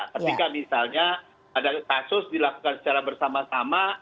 ketika misalnya ada kasus dilakukan secara bersama sama